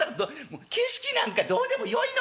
景色なんかどうでもよいのだ。